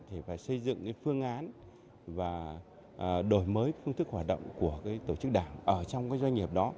thì phải xây dựng cái phương án và đổi mới phương thức hoạt động của tổ chức đảng ở trong cái doanh nghiệp đó